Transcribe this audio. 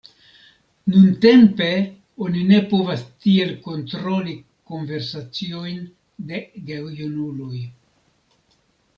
Nuntempe oni ne povas tiel kontroli konversaciojn de gejunuloj.